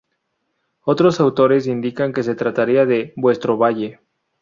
Otros autores indican que se trataría de "vuestro valle".